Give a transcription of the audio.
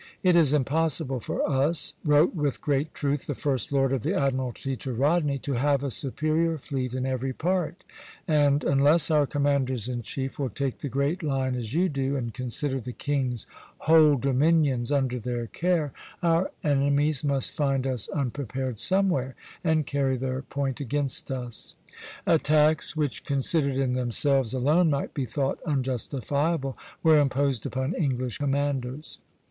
"It is impossible for us," wrote with great truth the First Lord of the Admiralty to Rodney, "to have a superior fleet in every part; and unless our commanders in chief will take the great line, as you do, and consider the king's whole dominions under their care, our enemies must find us unprepared somewhere, and carry their point against us." Attacks which considered in themselves alone might be thought unjustifiable, were imposed upon English commanders.